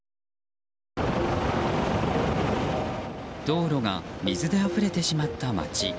道路が水であふれてしまった街。